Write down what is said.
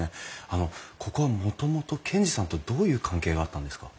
あのここはもともと賢治さんとどういう関係があったんですか？